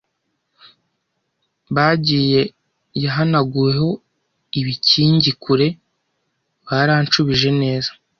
Bagiye yahanaguweho ibikingi kure; baranshubije neza.